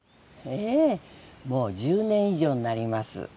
ええもう１０年以上になります。